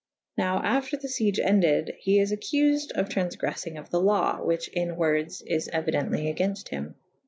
Now after the fiege ended he is accufed for trawfgreffyng of the lawe / which in wordes is eui dently againft him.